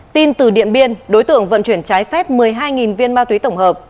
tin từ điện biên đối tượng vận chuyển trái phép một mươi hai viên ma túy tổng hợp